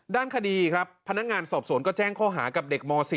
ด้านคดีครับพนักงานสอบสวนก็แจ้งข้อหากับเด็กม๔